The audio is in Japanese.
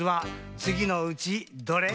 つぎのうちどれ？